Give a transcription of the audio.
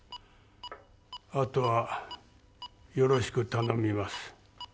あとはよろしく頼みます